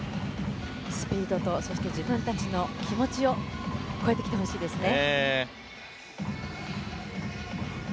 スピードと自分たちの気持ちを超えてきてほしいですね。